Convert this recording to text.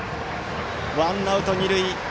ワンアウト、二塁。